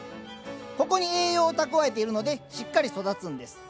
ここに栄養を蓄えているのでしっかり育つんです。